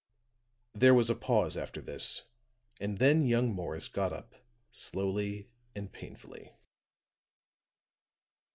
There was a pause after this, and then young Morris got up slowly and painfully.